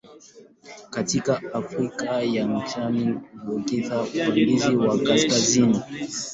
Katika Afrika ya Mashariki huonekana upande wa kaskazini.